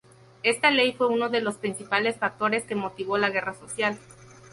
Esta ley fue uno de los principales factores que motivó la guerra social.